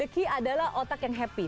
the key adalah otak yang happy